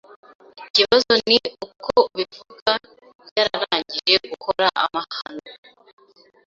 Ikibazo ni uko abivuga yararangije gukora amahano